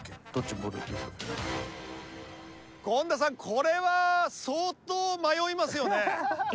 権田さんこれは相当迷いますよね？